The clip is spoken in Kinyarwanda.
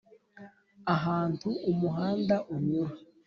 ahantu umuhanda unyura.